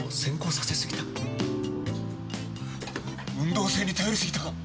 運動性に頼り過ぎたか！？